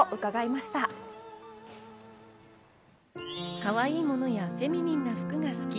かわいいものやフェミニンな服が好き。